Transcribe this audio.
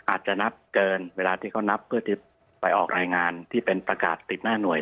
อาจจะนับเกินเวลาที่เขานับเพื่อที่ไปออกรายงานที่เป็นประกาศติดหน้าหน่วย